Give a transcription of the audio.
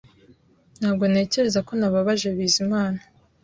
Ntabwo ntekereza ko nababaje Bizimana